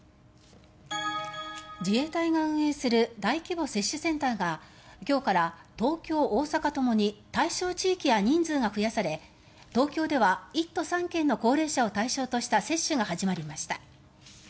自衛隊が運営する大規模接種センターが今日から東京、大阪ともに対象地域や人数が増やされ東京では１都３県の高齢者を対象とした接種が始まりました。